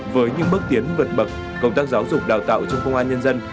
với những bước tiến vượt bậc công tác giáo dục đào tạo trong công an nhân dân